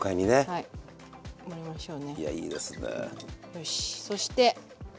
よしそして。